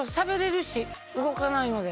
動かないので。